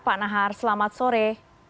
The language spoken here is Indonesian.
pak nahar selamat sore